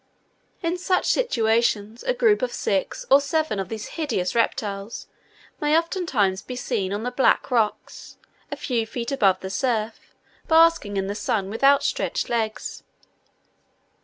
In such situations, a group of six or seven of these hideous reptiles may oftentimes be seen on the black rocks, a few feet above the surf, basking in the sun with outstretched legs.